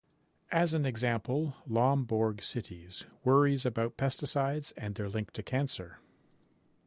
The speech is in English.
As an example, Lomborg cites worries about pesticides and their link to cancer.